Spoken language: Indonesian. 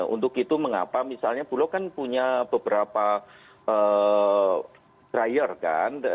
untuk itu mengapa misalnya bulog kan punya beberapa dryer kan